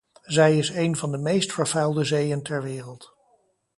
Zij is een van de meest vervuilde zeeën ter wereld.